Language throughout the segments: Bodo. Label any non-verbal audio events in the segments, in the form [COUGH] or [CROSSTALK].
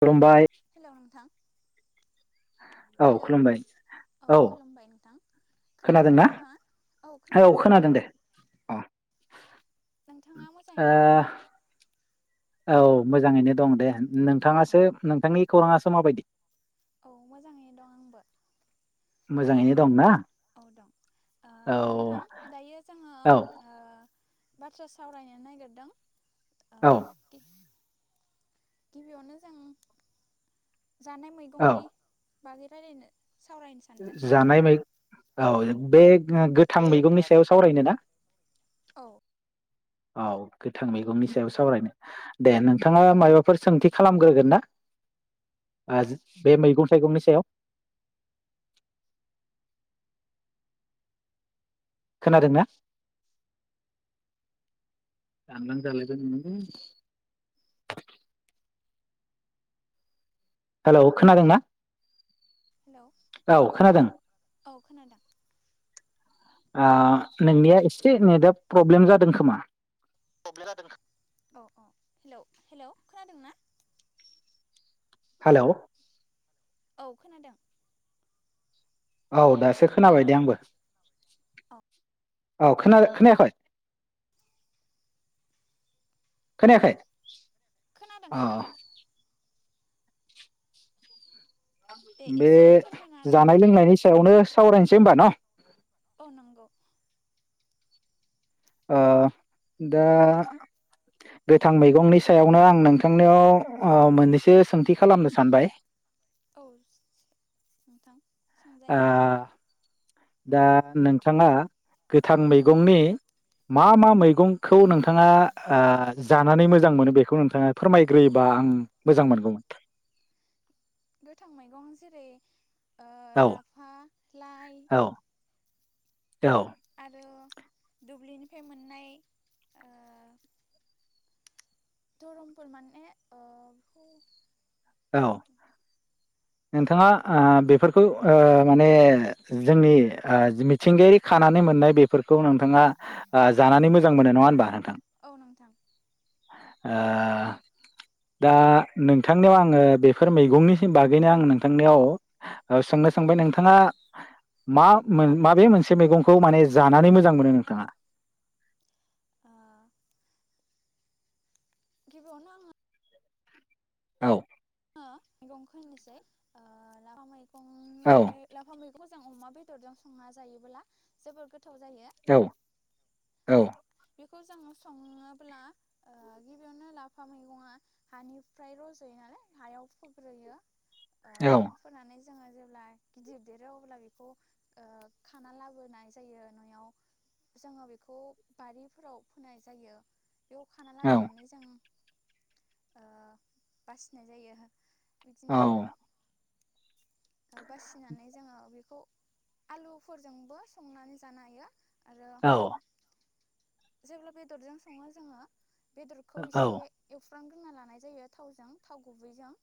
खुलुमबाय हेलौ नोंथां औ हेलौ खुलुमबाय औ खुलुमबाय नोंथां खोनादोंना? औ खोनादों दे अ नोंथाङा मोजाङैनो दङ ना? ओ औ मोजाङैनो दं दे औ नोंथाङासो नोंथांनि खौराङासो माबायदि? औ मोजाङैनो दं आंबो मोजाङैनो दं ना? औ दं आ नोंथां दायो जोङो औ ओ बाथ्रा सावरायनो नागिरदों ओ औ गिबियावनो जों जानाय औ मैगंनि बागै रायलायनो सावरायनो सानदों जानाय मै औ बे गोथां बे मैगंनि सायाव सावरायनो ना औ औ गोथां मैगंनि सायाव सावरायनो दे नोंथाङा माबाफोर सोंथि खालामग्रोगोन ना आ बे मैगं-थाइगंनि सायाव खोनादोंना दानलां जालायबाय नामालै हेलौ खोनादों ना औ हेल'औ खोनादों ओ नोंनिया एसे नेता प्रब्लेम जादों खोमा हेल' खोनादोंना हेल' औ खोनादों औ दासो हेलौ खोनाबाय दे आंबो औ औ खोनादों खोनायाखै खोनाखायै खोनादों खोनादों दे बे एसे फोरमायना होदो जानाय नोंथाङा लोंनायनि सायावनो सावरायनोसै होनबा न'। औ नंगौ। ओ दा गोथां मैगंनि सायावनो आं नोंथांनियाव मोननैसो सोंथि खालामनो सानबाय। औ नोंथां। आ सोंजायो दा नोंथाङा। गोथां औ मैगंनि। मा मा मैगंखौ नोंथाङा जानानै मोजां मोनो बेखौ नोंथाङा फोरमायग्रोयोबा आं मोजां मोनगौमोन। गोथां मैगं जेरै ओ औ लाफा, लाय, औ औ आरो दुब्लिनिफ्राय मोननाय ओ तरुन फुल माने ओ औ नोंथाङा आ बेफोरखौ ओ माने जोंनि ओ मिथिंगायारि खानानै मोननाय बेफोरखौ नोंथाङा। जानानै मोजां मोनो नङा होनबा नोंथां। औ नोंथां ओ दा नोंथांनियाव आं आङो बेफोर मैगंनि बागैनो आं नोंथांनियाव सोंनो सोंबाय नोंथाङा। मा औ माबे नोंथां मोनसे मैगं खौ माने जानानै मोजां मोनो नोंथाङा? ओ गिबियावनो आंङो औ मैगंखौ होननोसै ओ लांफा मै औ खौ जों अमा बेदरजों संना जायोबोब्ला जोबोर गोथ औ औ बेखौ जों सङोब्ला गिबियावनो लाफा मैगंआ हानिफ्राय रज'यो नालाय हायाव फोग्रोयो। ओ औ फोनानै जोङो जेब्ला गिदिर देरो अब्ला बेखौ ओ खाना लाबोनाय जायो न'आव जोङो बेखौ। बारिफोराव फोनाय जायो। बेयाव खाना औ लाबोनानै जों। ओ बासिनाय जायो। बिदिनो औ बासिनानै जोङो बेखौ। आलुफोरजोंबो संनानै जानो हायो। आरो औ जेब्ला बेदरजों सङो जोङो। बेदरखौ एसे औ एवफ्रा म ग्रोना लानाय जायो थावजों थाव गुबैजों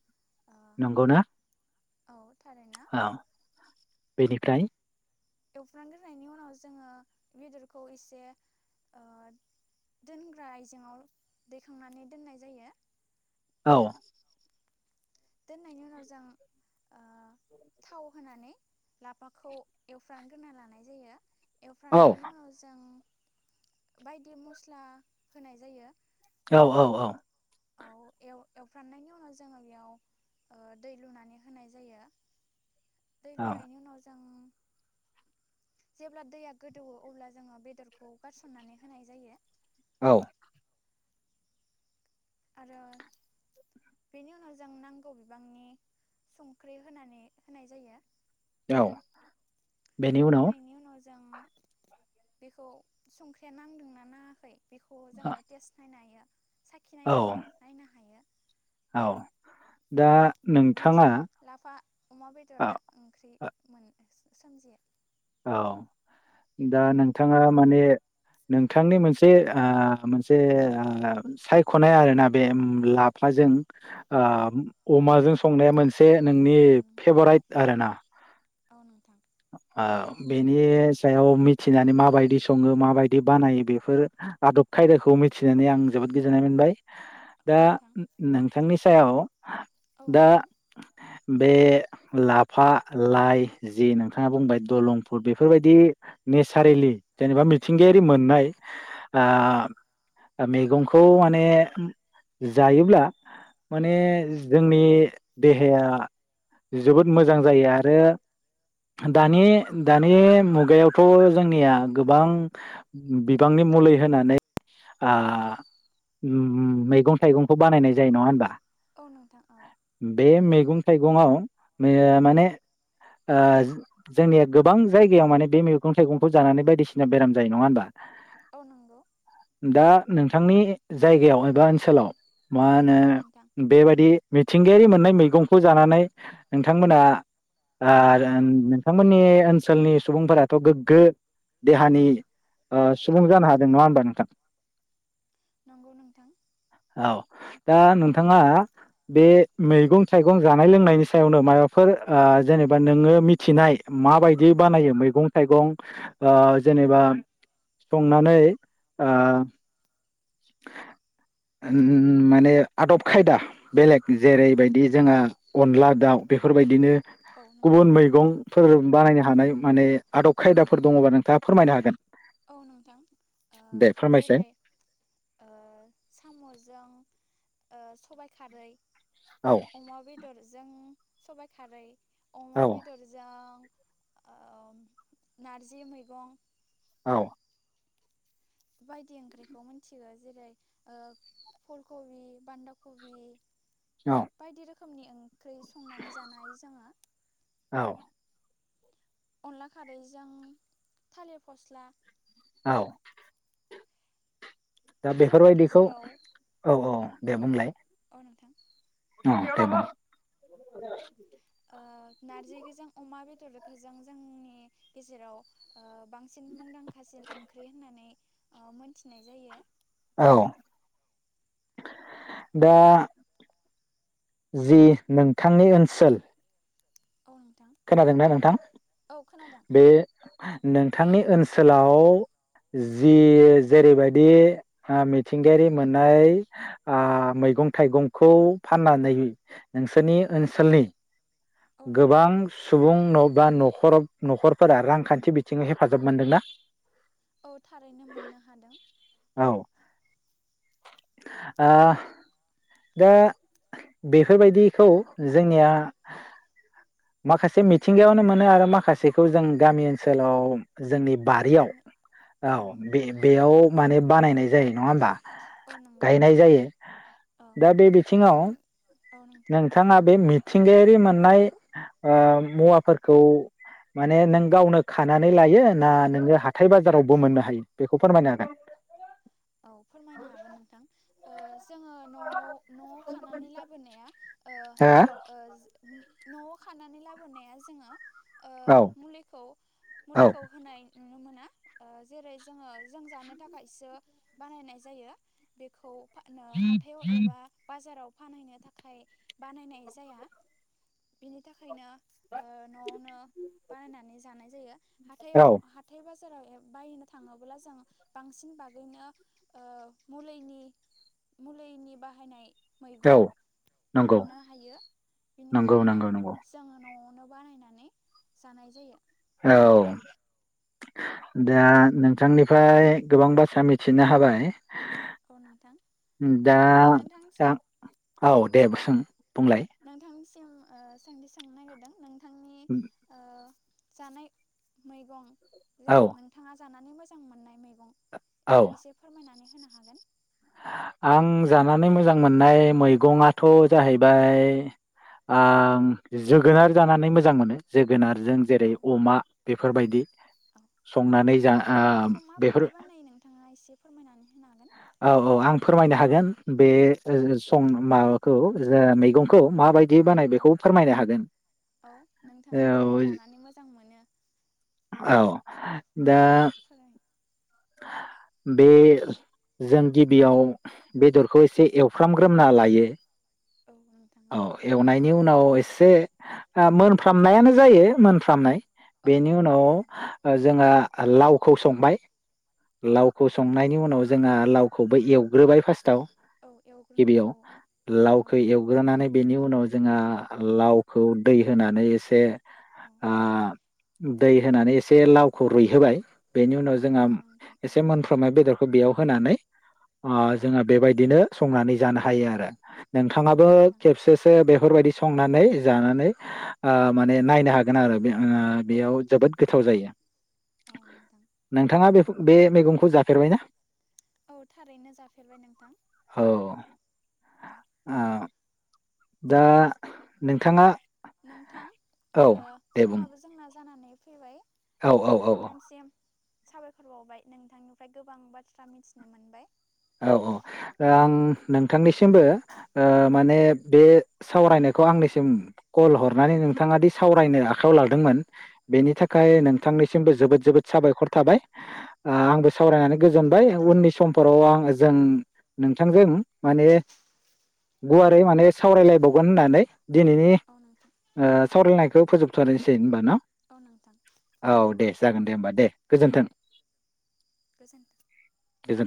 ओ नंगौना [UNINTELLIGIBLE] औ बेनिफ्राय एवफ्रानग्रोनायनि उनाव जोंङो बेदरखौ एसे ओ दोनग्रा आयजेेंआव दैखांनानै दोननाय जायो औ दोननायनि उनाव जों ओ थाव होनानै लाफाखौ एवफ्रानग्रोना लानाय जायो औ एवफ्राननायनि उनाव जों बायदि मस्ला होनाय जायो औ औ औ औ एल एवफ्रामनायनि उनाव जोंङो बेयाव ओ दै लुनानै होनाय जायो दै लुनायनि उनाव जों जेब्ला दैया गोदौवो अब्ला जोंङो बेदरखौ गारसननानै होनाय जायो औ आरो बेनि उनाव जों नांगौ बिबांनि संख्रि होनानै होनाय जायो औ। बेनि उनाव होनायनि उनाव जों बेखौ संख्रिया नांदोंना नांङाखै बेखौ औ जोंङो टेस्ट नायनो हायो साखि नायनानै नायनो हायो। औ दा नोंथाङा बिदिनो लाफा अमा औ बेदरा ओंख्रि मोन सो-सोमजियो औ दा नोंथाङा माने नोंथांनि मोनसे आ मोनसे सायखनाय आरोना बे लाफाजों आ अमा अमाजों बेदर संनाया मोनसे नोंनि औ नोंथां फेभराइट आरो ना औ नोंथां आ बेनि सायाव मिथिनानै माबायदि संङो माबायदि बानायो बेफोर आदब खायदाखौ मिथिनानै आं जोबोद गोजोननाय मोनबाय। दा नोंथां नो-नोंथांनि औ [UNINTELLIGIBLE] दा नोंथां बे लाफा लाइ जि नों थांङा बुंबाय दलंपुर बेफोरबायदि औ नेचारेलि जेनेबा औ मिथिंगायारि नोंथां मोननाय ओ औ नोंथां मैगंखौ माने जायोब्ला माने औ नोंथां औ जोंनि देहाया जोबोद मोजां जायो आरो दानि नोंथां दानि मु बेयावथ' जोंनिया गोबां बिबांनि मुलै होनानै आ मैगं थाइगंखौ बानायनाय जायो नङा होमबा? औ नोंथां औ बे मैगं थाइगङाव मे माने ओज जोंनिया गोबां जायगायाव माने बे मैगं थाइगंखौ जानानै बायदिसिना बेराम जायो नङा होमबा? अ नंगौ। नोंथांनि जायगायाव एबा ओनसोलाव मा होनो औ नोंथां बेबायदि मिथिंगायारि मोननाय मैगंखौ जानानै नोंथांमोना आ नोंथांमोननि ओनसोलनि सुबुंफोराथ' गोग्गो देहानि सुबुं ओ जानो हादों नङा होमबा नोंथां? नंगौ नोंथां। औ दा नोंथाङा बे मैगं थाइगं जानाय लोंनायनि सायावनो माबाफोर ओ जेनेबा नोङो मिथ थिनाय माबायदि बानायो मैगं थाइगं ओ जेनेबा संनानै ओ उम माने आदब खायदा बेलेग औ नोंथां जेरैबायदि जोंहा अनला दाउ बेफोरबायदिनो औ नोंथां गुबुन मैगंफोर बानायनो हानाय माने आदब खायदाफोर दङबा नोंथाङा फोरमायनो हागोन। औ नोंथां दे फोरमायसाय जेरै ओ साम'जों ओ सबाय खारै। औ अमा बेदरजों सबाय खारै। औ अमा बेदरजों ओम नारजि मैगं। औ। बायदि ओंख्रिखौ मिथिगौ जेरै ओ फुल कबि बान्दा कबि। औ। बायदि रोखोमनि ओं ओंख्रि संनानै जानो हायो जोङो। औ। अनला खारैजों थालिर फस्ला। औ। दा जोंनि बेफोरबायदिखौ गेजेराव औ औ ओ दे बुंलाय। औ नोंथां ओम दे बुं। [UNINTELLIGIBLE] रोखोजों जोंनि गेजेराव ओ बांसिन मुंदांखासिन ओंख्रि होननानै ओ मोनथिनाय जायो। औ दा जि नोंथां नि ओनसोल औ नोंथां खोनादोंना नोंथां औ खोनादों बे नोंथांनि ओनसोलाव जि जेरैबायदि ओ मिथिंगायारि मोननाय आ मैगं थाइगंखौ फाननानै नोंसोरनि ओनसोलनि औ नोंथां गोबां सुबुं न-बा न'खर न'खरफोरा रांखान्थि बिथिं हेफाजाब मोनदोंना? औ थारैनो मोननो हादों। आह दा बेफोरबायदिखौ जोंनिया माखासे मिथिंगायावनो मोनो आरो माखासेखौ जों गामि ओनसोलाव जोंनि बारियाव मोन औ नंगौ बे नोंथां बेयाव माने बानायनाय जायो। नंङा होनबा? औ नंगौ गायनाय जायो औ दा बे बिथिंङाव जों औ नोंथां नोंथांङा बे मिद थिंगायारि मोननाय ओ मुवाफोरखौ माने नों गावनो खानानै लायो ना नोंङो हाथाय बाजारावबो मोननो हायो? बेखौ फोरमायनो हागोन। औ फोरमायनो हागोन नोंथां ओ जोंङो नआव नआव खानानै लाबोनाया ओ ओ न'आव खानानै लाबोनाया जोंङो ओ औ मुलिखौ औ मुलिखौ होनाय नुनो मोना ओ जेरै जोंङो जों जानो थाखायसो बानायनाय जायो बेखौ फा आ नो हाथायाव एबा बाजाराव फानहैनो थाखाय बानायनाय जाया बिनि थाखायनो ओ न'आवनो बानायनानै जानाय जायो। हाथायाव हाथाय बाजा फोराव एयाव बायनो थांङोब्ला जों बांसिन बागैनो ओ मुलैनि मुलैनि बाहायनाय औ मैगं औ नंगौ मोननो हायो, नंगौ बेनिखायनो नंगौ नंगौ जोंङो न' अ न'बानायनानै जानाय जायो। औ दा नोंथांनिफ्राय गोबां बाथ्रा मिथिनो हाबाय। औ नोंथां दा दा नोंथांसिम औ दे सों बुंलाय सिम ओ सोंथि सोंनो नागिरदों नोंथां उम्म ओ जानाय मैगं जे औ नोंथांङा जानानै मोजां मोननाय मैगं औ एसे फोरमायनानै होनो हागोन। आं जानानै मोजां मोननाय मैगंआथ जाहैबाय ओम जोगोनार जानानै मोजां मोनो जोगोनाद। जों औ जेरै अमा औ बेफोरबायदि। औ संनानै जा ओ बे ओंख्रिखौ बेफोर माबायदि बानायो नोंथाङा एसे फोरमायनानै होनो हागोन। औ औ आं फोरमायनो हागोन बे सं माबाखो मैगं। औ माबायदि बानाय बेखौ औ फोरमायनो हागोन औ नोंथाङा जे जानानै मोजां मोनो औ औ दा। औ फोराय बे। जों गिबियाव बेदरखौ एसे एवफ्रामग्रोमना लायो। औ नोंथां औ नंगौ एवनायनि उनाव एसे। एसे मोनफ्रामनायानो जायो मोनफ्रामनाय। औ बेनि नोंथां उनाव औ जोंहा लावखौ संबाय। औ लावखौ संनायनि उनाव। जोंहा लावखौबो एवग्रोबाय फास्थआव। औ एवग्रोनांगौ गिबियाव औ लावखौ एवग्रोनानै बेनि उन उनाव जोंहा लावखौ दै होनानै एसे। औ ओ। दै होनानै एसे लावखौ रुइहोबाय। बेनि उनाव औ जोंहा नंगौ नोंथां औ एसे मोनफ्रोमनाय बेदरखौ बेयाव होनानै। औ ओ जोंहा बेबायदिनो। संनानै जानो हायो आरो। औ नोंथाङाबो नोंथां खेबसेसो बेफोरबायदि संनानै जानानै। आ माने औ नायनो हागोन आरो बे आ औ बेयाव नोंथां जोबोद औ गोथाव जायो औ नोंथां नोंथाङा बेफ बे मैगंखौ जाफेरबायना? औ थारैनो जाफेरबाय नोंथां औ औ। ओ दा नोंथाङा। नोंथां औ ओ दे बुं समाबो जोंना ज जानानै फैबाय। औ ओ औ औ नोंथांनिसिम। साबायखर बावबाय नोंथांनिफ्राय गोबां बाथ्रा मिथिनो मोनबाय। औ औ आं नोंथांनिसिमबो ओ माने बे सावरायनायखौ आंनिसिम कल हरनानै नोंथाङ दि सावरायनो आखायाव लादोंमोन बेनि थाखाय नोंथांनिसिमबो जोबोद जोबोद साबायखर थाबाय ओ आंबो सावरायनानै गोजोनबाय उननि समफोराव आं जों नोंथांजों माने औ गुवारै नोंथां माने सावरायलायबाव गन होननानै दिनैनि औ नोंथां ओ सावरायलायनायखौ फोजोब थरनोसै होनबा ना? औ नोंथां औ दे जागोन दे होमबा दे गोजोन्थों। गोजोन्थों। गोजोन्थों।